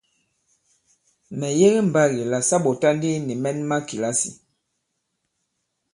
Mɛ̀ yege mbagì la sa ɓɔ̀ta ndi nì mɛn ma kìlasì.